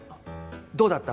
どうだった？